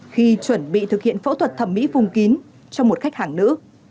khi chuẩn bị thực hiện phẫu thuật thẩm mỹ vùng kín cho một khách hàng nữ